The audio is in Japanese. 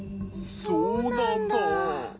そうなんだ。